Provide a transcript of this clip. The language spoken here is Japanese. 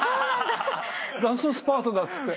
ラストスパートだっつって。